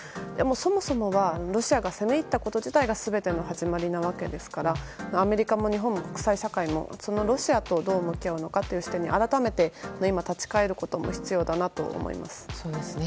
そもそもがロシアが攻め入ったこと自体が全ての始まりなわけですからアメリカも日本も国際社会もそのロシアとどう向き合うのかという視点に改めて立ち返ることも必要だと思います。